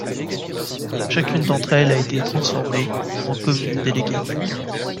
Chacune d'entre elles a été transformée en commune déléguée.